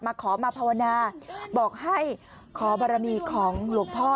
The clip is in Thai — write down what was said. ขอมาภาวนาบอกให้ขอบารมีของหลวงพ่อ